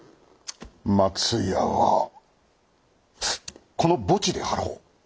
松屋はこの墓地で張ろう。